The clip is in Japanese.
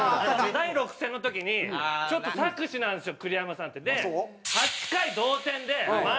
第６戦の時にちょっと策士なんですよ栗山さんって。８回同点で満塁。